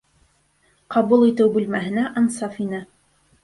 Ҡабул итеү бүлмәһенә Ансаф инә.